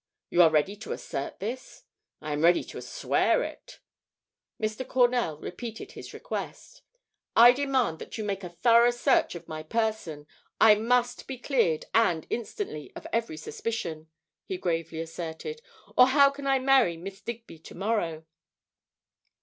"You are ready to assert this?" "I am ready to swear it." Mr. Cornell repeated his request. "I demand that you make a thorough search of my person. I must be cleared, and instantly, of every suspicion," he gravely asserted, "or how can I marry Miss Digby to morrow."